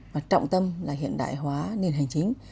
mặt trọng tâm là hiện đại hóa nền hành chính